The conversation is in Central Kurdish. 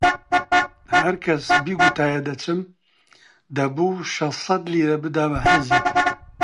هەر کەس بیگوتایە دەچم، دەبوو شەشسەد لیرە بدا بە حیزب